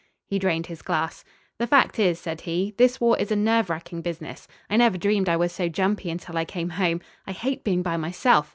He drained his glass. "The fact is," said he, "this war is a nerve racking business. I never dreamed I was so jumpy until I came home. I hate being by myself.